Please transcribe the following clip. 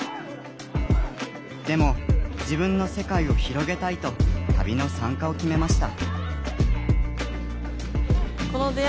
でも自分の世界を広げたいと旅の参加を決めました。